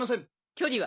距離は？